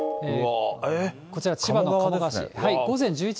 こちら、千葉の鴨川市。